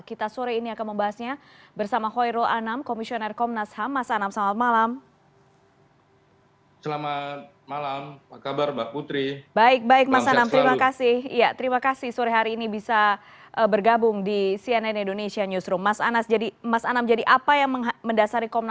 kita sore ini akan membahasnya bersama khoirul anam komisioner komnas ham mas anam selamat malam